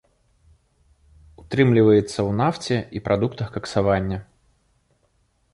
Утрымліваецца ў нафце і прадуктах каксавання.